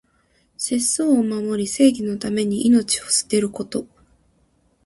節操を守り、正義のために命を捨てること。